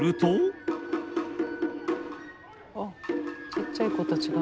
あっちっちゃい子たちが。